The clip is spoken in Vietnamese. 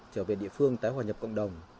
trở về địa phương tái hòa nhập cộng đồng